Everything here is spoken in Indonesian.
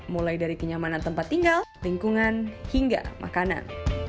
mulai dari kenyamanan tempat tinggal lingkungan hingga makanan